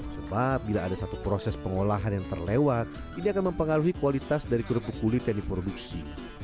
sebab bila ada satu proses pengolahan yang terlewat ini akan mempengaruhi kualitas dari kerupuk kulit yang diproduksi